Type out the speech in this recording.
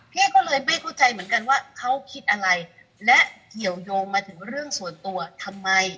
พี่ก็เลยไม่เข้าใจเหมือนกันว่าเขาคิดอะไรและเกี่ยวยงมาถึงเรื่องส่วนตัวทำไม